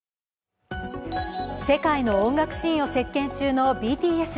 世界の音楽シーンを席巻中のＢＴＳ。